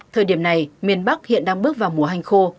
thời điểm này miền bắc hiện đang bước vào mùa hành khô